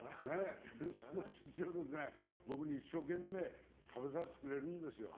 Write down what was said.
そんな寿司を僕に一生懸命食べさせてくれるんですよ。